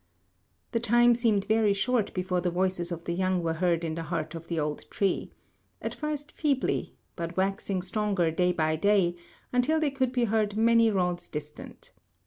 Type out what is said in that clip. The time seemed very short before the voices of the young were heard in the heart of the old tree, at first feebly, but waxing stronger day by day, until they could be heard many rods distant.